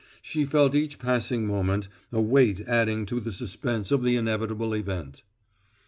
She felt each passing moment a weight adding to the suspense of the inevitable event.